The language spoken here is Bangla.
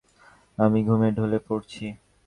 আমি ঘুমে ঢলে পড়ছি।